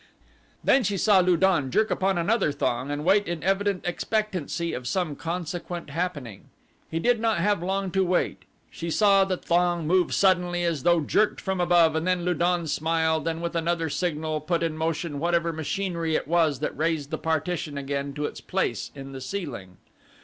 Then she saw Lu don jerk upon another thong and wait in evident expectancy of some consequent happening. He did not have long to wait. She saw the thong move suddenly as though jerked from above and then Lu don smiled and with another signal put in motion whatever machinery it was that raised the partition again to its place in the ceiling.